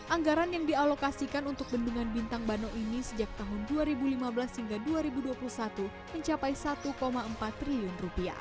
anggaran yang dialokasikan untuk bendungan bintang bano ini sejak tahun dua ribu lima belas hingga dua ribu dua puluh satu mencapai rp satu empat triliun